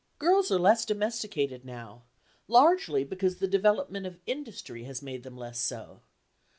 Girls are less domesticated now, largely because the development of industry has made them less so.